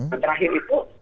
dan terakhir itu